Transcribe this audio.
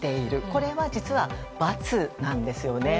これは実は×なんです。